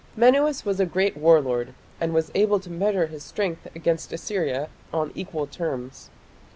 Menuas was a great war lord, and was able to measure his strength against Assyria on equal terms.